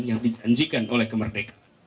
yang dijanjikan oleh kemerdek